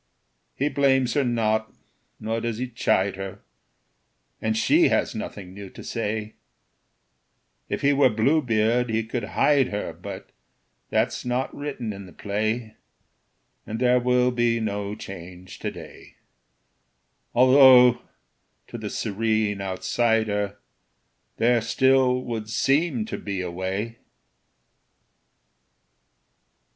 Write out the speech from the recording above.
He blames her not, nor does he chide her, And she has nothing new to say; If he were Bluebeard he could hide her, But that's not written in the play, And there will be no change to day; Although, to the serene outsider, There still would seem to be a way.